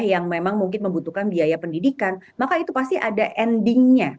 yang memang mungkin membutuhkan biaya pendidikan maka itu pasti ada endingnya